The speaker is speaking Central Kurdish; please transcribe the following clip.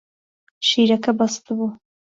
شیرەکە بەستبوو.